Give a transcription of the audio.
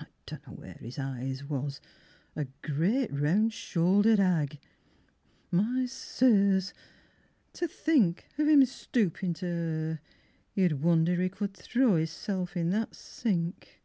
I dunno where his eyes was a gret Round shouldered hag! My sirs, to think Of him stoopin' to her! You'd wonder he could Throw hisself in that sink.